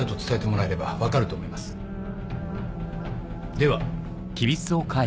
では。